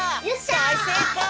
だいせいこう！